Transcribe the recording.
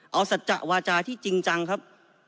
เอาสัจจะวาจาที่จริงจังครับ